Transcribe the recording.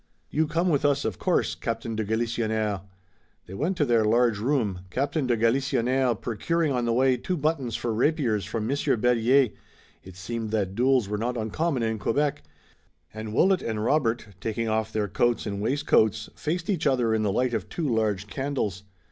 You come with us, of course, Captain de Galisonnière." They went to their large room, Captain de Galisonnière procuring on the way two buttons for rapiers from Monsieur Berryer it seemed that duels were not uncommon in Quebec and Willet and Robert, taking off their coats and waistcoats, faced each other in the light of two large candles.